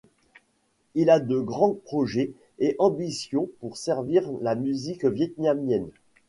Il a de grands projets et ambitions pour servir la musique vietnamienne.